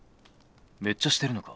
「めっちゃしてるのか？」。